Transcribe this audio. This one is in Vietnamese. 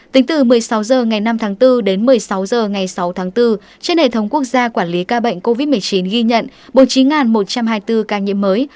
tính từ một mươi sáu h ngày năm tháng bốn đến một mươi sáu h ngày sáu tháng bốn trên hệ thống quốc gia quản lý ca bệnh covid một mươi chín ghi nhận bố trí một trăm hai mươi bốn ca nhiễm mới